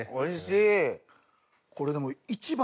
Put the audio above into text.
これでも。